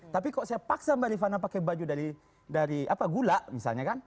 tapi kok saya paksa mbak rifana pakai baju dari gula misalnya kan